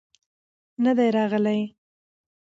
نه دى راغلى.